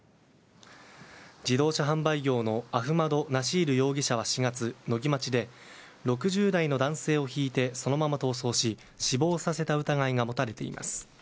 自動車販売業のアフナド・ナシール容疑者は４月野木町で、６０代の男性をひいてそのまま逃走し死亡させた疑いが持たれています。